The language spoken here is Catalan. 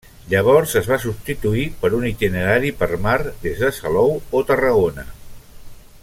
Llavors es va substituir per un itinerari per mar des de Salou o Tarragona.